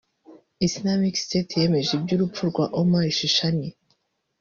Islamic State yemeje iby’urupfu rwa Omar Shishani